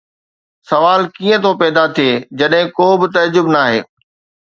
سوال ڪيئن ٿو پيدا ٿئي جڏهن ڪو به تعجب ناهي؟